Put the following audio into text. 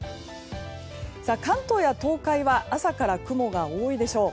関東や東海は朝から雲が多いでしょう。